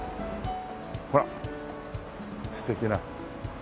ほら素敵な。